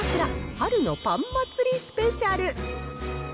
春のパン祭りスペシャル！